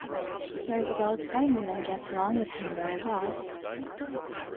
She cares about Simon and gets along with him very well.